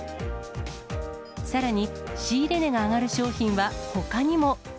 さらに、仕入れ値が上がる商品はほかにも。